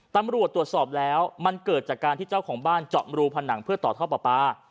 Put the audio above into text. ตำรวจตรวจสอบแล้วมันเกิดจากการที่เจ้าของบ้านเจาะรูผนังเพื่อต่อท่อปลาปลา